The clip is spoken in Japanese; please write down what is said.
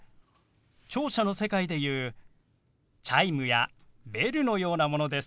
聴者の世界で言うチャイムやベルのようなものです。